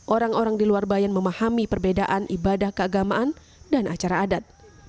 orang orang di luar bayan memahami perbedaan ibadah keagamaan dan acara adat